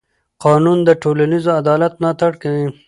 قانون د ټولنیز عدالت ملاتړ کوي.